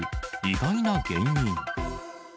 意外な原因。